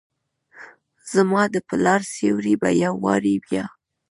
زماد پلار سیوری به ، یو وارې بیا،